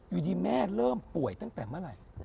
อยู่ดีแม่เริ่มป่วยตั้งแต่เมื่อไหร่